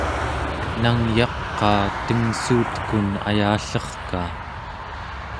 nangyaqaa tengssuutekun ayallerkaq